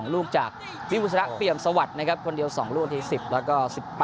๒ลูกจากวิภูษณะเปรียมสวรรค์คนเดียว๒ลูกนาที๑๐แล้วก็๑๘